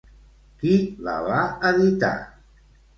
Qui la va editar?